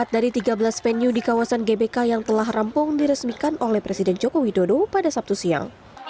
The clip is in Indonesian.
empat dari tiga belas venue di kawasan gbk yang telah rampung diresmikan oleh presiden joko widodo pada sabtu siang